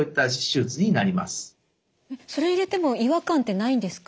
それを入れても違和感ってないんですか？